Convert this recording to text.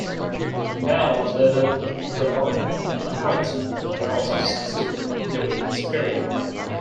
Vale of Leven, Dumbarton and Renton were also successful during this period.